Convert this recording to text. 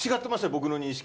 僕の認識。